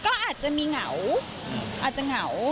ก็อาจจะมีเหงาอาจจะเหงา